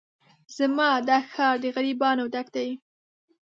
زما دا ښار د غريبانو ډک دی